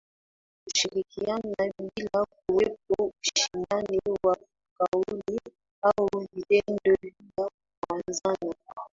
Kushirikiana bila kuwepo ushindani wa kauli au vitendo vya kukwazana